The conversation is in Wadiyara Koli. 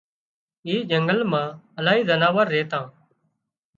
اي جنڳل مان الاهي زناور ريتان